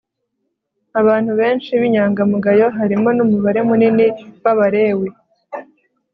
Abantu benshi binyangamugayo harimo numubare munini wAbalewi